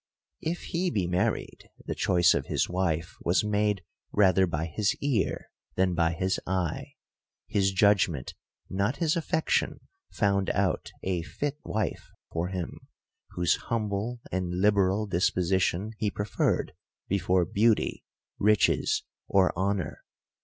If he be married, the choice of his wife was made rather by his ear, than by his eye ; his judgment, not his affection, found out a fit wife for him, whose humble and liberal disposition he preferred before beauty, riches, or honor.